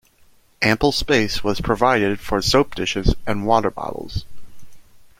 Ample space was provided for soap-dishes and water-bottles.